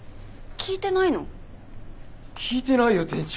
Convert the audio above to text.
聞いてないよ店長。